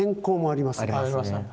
ありますね。